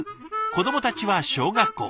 子どもたちは小学校。